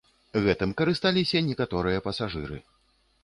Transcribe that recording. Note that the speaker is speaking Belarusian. Гэтым карысталіся некаторыя пасажыры.